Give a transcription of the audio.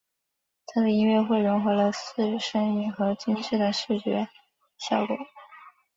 他的音乐会融合了四声音和精致的视觉效果。